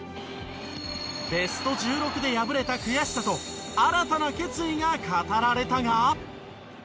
ベスト１６で敗れた悔しさと新たな決意が語られたが。